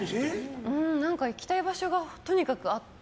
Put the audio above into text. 行きたい場所がとにかくあって。